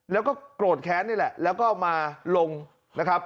แล้วก็มาลงนะครับ